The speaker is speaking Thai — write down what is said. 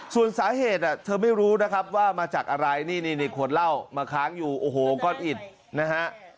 ส่วนสาเหตุเธอไม่รู้นะครับว่ามาจากอะไรนี่นี่ขวดเหล้ามาค้างอยู่โอ้โหก้อนอิดนะฮะ